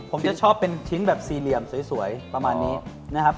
ผมจะชอบเป็นชิ้นแบบสี่เหลี่ยมสวยประมาณนี้นะครับ